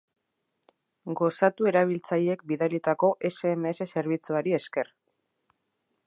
Gozatu erabiltzaileek bidalitako sms zerbitzuari esker.